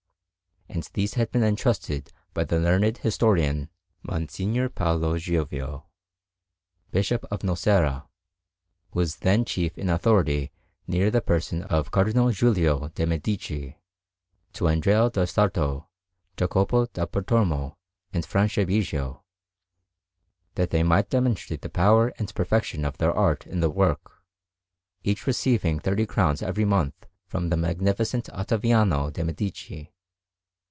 And these had been entrusted by the learned historian, M. Paolo Giovio, Bishop of Nocera, who was then chief in authority near the person of Cardinal Giulio de' Medici, to Andrea del Sarto, Jacopo da Pontormo, and Franciabigio, that they might demonstrate the power and perfection of their art in the work, each receiving thirty crowns every month from the magnificent Ottaviano de' Medici.